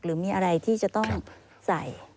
หรือมีอะไรที่จะต้องใส่